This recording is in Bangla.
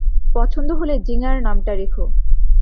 পছন্দ হলে, জিঙ্গার নামটা রেখো।